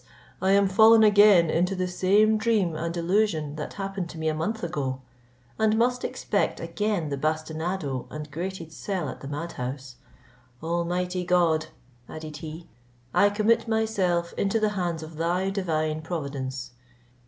I am fallen again into the same dream and illusion that happened to me a month ago, and must expect again the bastinado and grated cell at the mad house. Almighty God," added he, "I commit myself into the hands of thy divine providence.